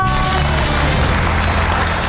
จะทำเวลาไหมครับเนี่ย